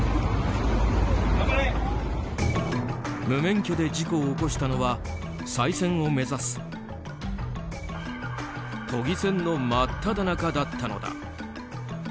無免許で事故を起こしたのは再選を目指す都議選の真っただ中だったのだ。